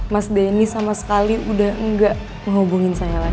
mas deni sama sekali udah enggak menghubungi saya lagi